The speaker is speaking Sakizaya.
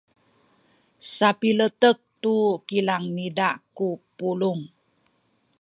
sapiletek tu kilang niza ku pulung.